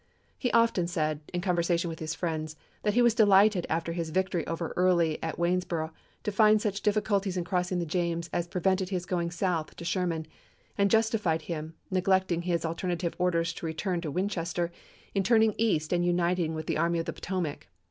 He often said, in conversation with his friends, that he was delighted after his victory over Early at Waynesboro' to find such difficulties in crossing the James as prevented his going south to Sher man, and justified him — neglecting his alternative orders to return to Winchester — in turning east and uniting with the Army of the Potomac.